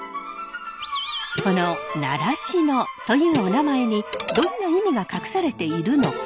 この「習志野」というおなまえにどんな意味が隠されているのか？